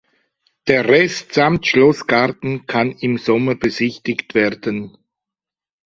Der Rest samt Schlossgarten kann im Sommer besichtigt werden.